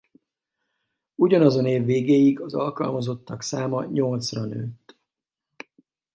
Ugyanazon év végéig az alkalmazottak száma nyolcra nőtt.